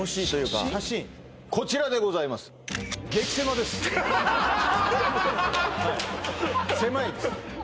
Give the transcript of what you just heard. こちらでございます狭いです